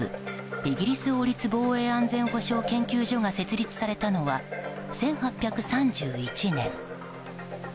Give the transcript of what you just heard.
イギリス王立防衛安全保障研究所が設立されたのは１８３１年。